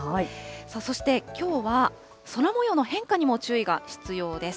そしてきょうは、空もようの変化にも注意が必要です。